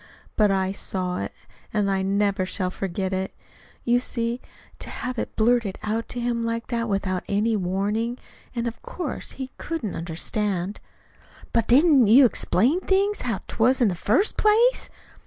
But I saw it; and I never shall forget it. You see, to have it blurted out to him like that without any warning and of course he couldn't understand." "But didn't you explain things how 'twas, in the first place?"